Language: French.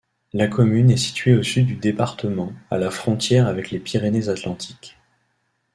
La commune est située au sud du département, à la frontière avec les Pyrénées-Atlantiques.